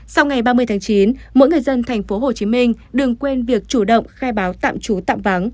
sau ngày ba mươi tháng chín mỗi người dân tp hcm đừng quên việc chủ động khai báo tạm trú tạm vắng